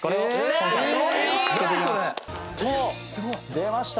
出ました！